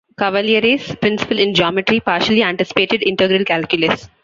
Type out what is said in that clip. Cavalieri's principle in geometry partially anticipated integral calculus.